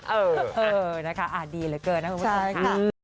เออนะคะดีเหลือเกินนะพี่มดดำค่ะใช่ค่ะ